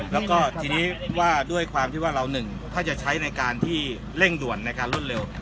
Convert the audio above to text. แล้วก็ทีนี้ว่าด้วยความที่ว่าเราหนึ่งถ้าจะใช้ในการที่เร่งด่วนในการรวดเร็ว